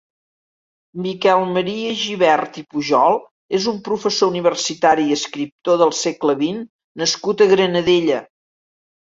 Miquel Maria Gibert i Pujol és un professor universitari i escriptor del segle vint nascut a la Granadella.